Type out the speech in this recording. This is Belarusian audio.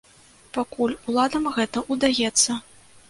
Пакуль уладам гэта ўдаецца.